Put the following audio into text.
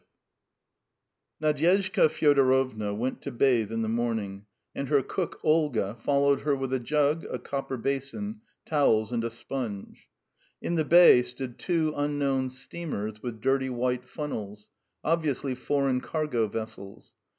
V Nadyezhda Fyodorovna went to bathe in the morning, and her cook, Olga, followed her with a jug, a copper basin, towels, and a sponge. In the bay stood two unknown steamers with dirty white funnels, obviously foreign cargo vessels.